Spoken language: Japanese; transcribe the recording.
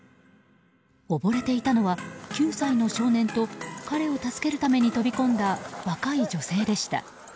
溺れていたのは、９歳の少年と彼を助けるために飛び込んだ若い女性でした。